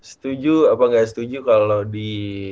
setuju apa nggak setuju kalau di